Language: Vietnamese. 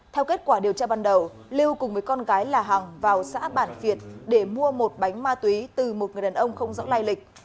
theo kết quả điều tra ban đầu lưu cùng với con gái là hằng vào xã bản việt để mua một bánh ma túy từ một người đàn ông không rõ lai lịch